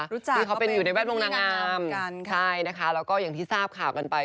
ที่เขาเป็นอยู่ในแวดวงนางงามใช่นะคะแล้วก็อย่างที่ทราบข่าวกันไป